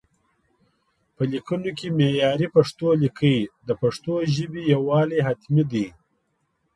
په ليکونو کې معياري پښتو ليکئ، د پښتو ژبې يووالي حتمي دی